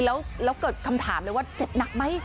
แล้วเกิดคำถามเลยว่าเจ็บหนักไหม